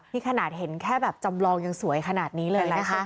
นี่ขนาดเห็นแค่แบบจำลองยังสวยขนาดนี้เลยนะคะ